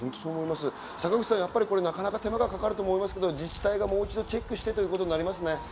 坂口さん、手間がかかると思いますけど、自治体がもう一度チェックしてということになりますね。